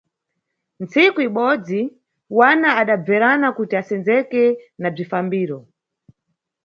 Ntsiku ibodzi, wana adabverana kuti asendzeke na bzifambiro.